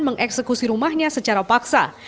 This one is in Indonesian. mengeksekusi rumahnya secara paksa